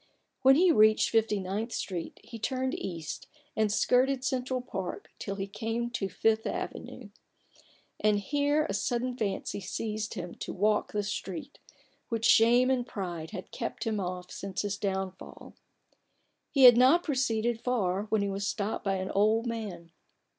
When he reached Fifty ninth Street, he turned east and skirted Central Park till he came to the Fifth Avenue. And here a sudden fancy seized him to walk this street, which shame and pride had kept him off since his downfall. He had not proceeded far, when he was stopped by an old man.